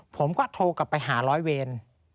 ผมก็โทรกลับไปหาร้อยเวร